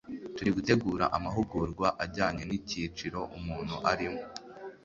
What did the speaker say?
turi gutegura amahugurwa ajyanye n'icyiciro umuntu arimo.